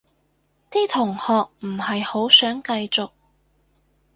啲同學唔係好想繼續